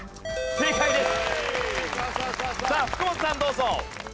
正解です。